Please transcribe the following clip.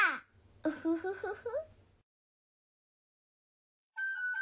ウフフフフ。